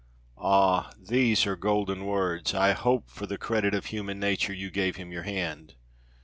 Ah! these are golden words. I hope for the credit of human nature you gave him your hand?"